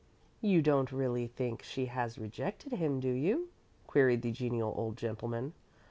"You don't really think she has rejected him, do you?" queried the genial old gentleman.